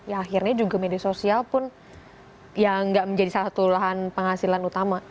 ya akhirnya juga media sosial pun ya nggak menjadi salah satu lahan penghasilan utama